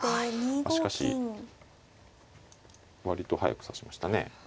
しかし割と速く指しましたね。